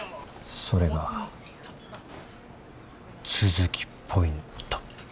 それが都築ポイント。